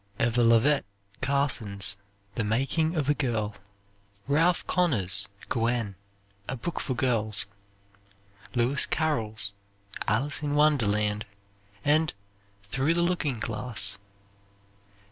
Eva Lovett Carson's "The Making of a Girl." Ralph Connor's "Gwen," a book for girls. Louis Carroll's "Alice in Wonderland," and "Through the Looking Glass."